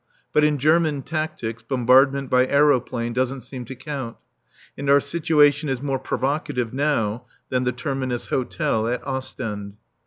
But in German tactics bombardment by aeroplane doesn't seem to count, and our situation is more provocative now than the Terminus Hotel at Ostend.